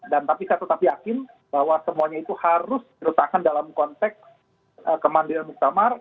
dan saya tetap yakin bahwa semuanya itu harus dirutakan dalam konteks kemandirian muktamar